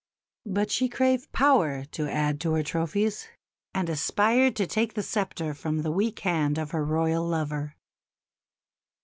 But she craved power to add to her trophies, and aspired to take the sceptre from the weak hand of her Royal lover.